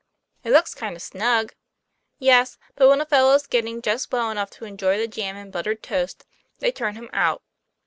" It looks kind of snug." "Yes; but when a fellow's getting just well enough to enjoy the jam and buttered toast, they turn him out.